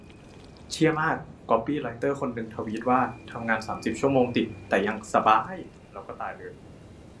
เชี่ยมาก ก๊อปปี้ไรเตอร์คนนึงทวีตว่า 'ทำงานสามสิบชั่วโมงติด แต่ยังสบ๊าย !' แล้วก็ตายเลย